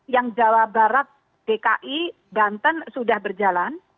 yang jawa barat dki banten sudah berjalan